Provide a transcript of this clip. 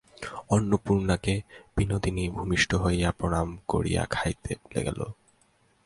অন্নপূর্ণাকে বিনোদিনী ভূমিষ্ঠ হইয়া প্রণাম করিয়া খাইতে গেল।